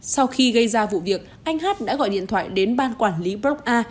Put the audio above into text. sau khi gây ra vụ việc anh hát đã gọi điện thoại đến ban quản lý broc a